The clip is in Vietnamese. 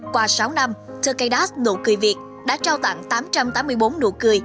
qua sáu năm turkidas nụ cười việt đã trao tặng tám trăm tám mươi bốn nụ cười